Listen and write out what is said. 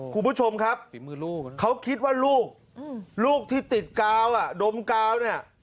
คุณผู้ชมครับเขาคิดว่าลูกลูกที่ติดกาวดมกาว